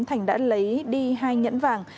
thành đã lấy đi hai nhẫn vàng